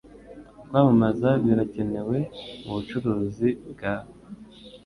Kwamamaza birakenewe mubucurizi bwawe